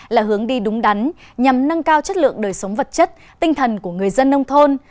là hướng đi đúng đắn nhằm nâng cao chất lượng đời sống vật chất tinh thần của người dân nông thôn